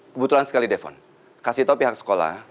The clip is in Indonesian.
kebetulan sekali defon kasih tau pihak sekolah